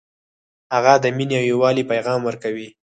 هغه د مینې او یووالي پیغام ورکوي